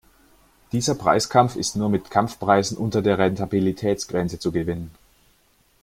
Dieser Preiskampf ist nur mit Kampfpreisen unter der Rentabilitätsgrenze zu gewinnen.